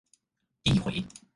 遞迴